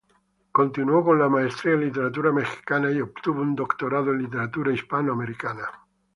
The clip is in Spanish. Continuó con la maestría en literatura mexicana y obtuvo un doctorado en literatura hispanoamericana.